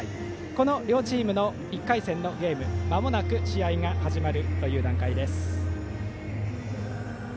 この両チームの１回戦のゲームまもなく試合が始まる段階です。